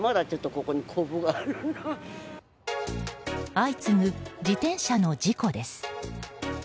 相次ぐ自転車の事故です。